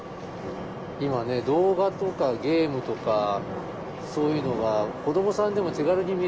今ね動画とかゲームとかそういうのが子どもさんでも手軽に見れるので。